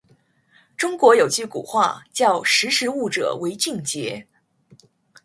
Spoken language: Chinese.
中国有句古话，叫“识时务者为俊杰”。